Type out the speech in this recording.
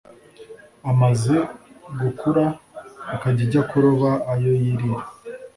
amaze gukura ikajya ijya kuroba ayo yirira